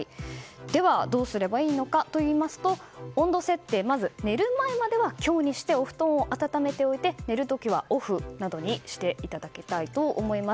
では、どうすればいいのかといいますと、温度設定寝る前までは強にしてお布団を温めておいて寝る時はオフなどにしていただきたいと思います。